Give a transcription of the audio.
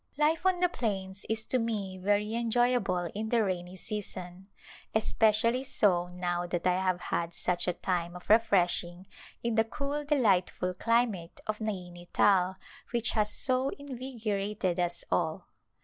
Life on the plains is to me very enjoyable in the rainy season, especially so now that I have had such a time of refreshing in the cool delightful climate of Naini Tal, which has so invigorated us all.